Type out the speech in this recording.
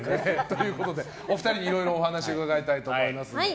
お二人にいろいろお話を伺いたいと思います。